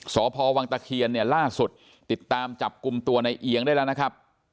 สพวังตะเคียนเนี่ยล่าสุดติดตามจับกลุ่มตัวในเอียงได้แล้วนะครับ